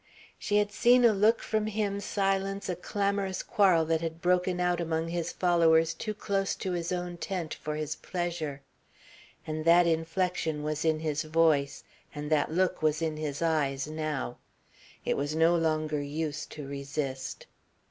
She had seen a look from him silence a clamorous quarrel that had broken out among his followers too close to his own tent for his pleasure. And that inflection was in his voice and that look was in his eyes now. It was no longer use to resist.